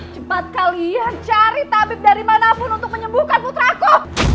cepat kalian cari tabib dari manapun untuk menyembuhkan putraku